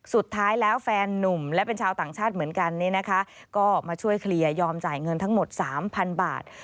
สุดท้ายแล้วแฟนนุ่มและเป็นชาวต่างชาติเหมือนกันเนี่ยนะคะก็มาช่วยเคลียร์ยอมจ่ายเงินทั้งหมดสามพันบาท